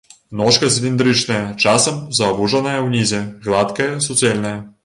Ножка цыліндрычная, часам завужаная ўнізе, гладкая, суцэльная.